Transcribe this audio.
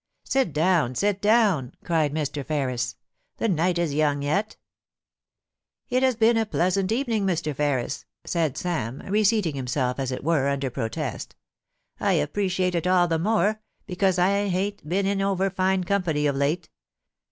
* Sit down, sit down,' cried Mr. Ferris ;* the night is young yet* * It has been a pleasant evening, Mr. Ferris,' said Sara, reseating himself, as it were, under protest ' I appreciate it all the more, because I hain't been in over fine company of late.